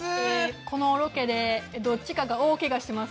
このロケでどっちかが大けがをします。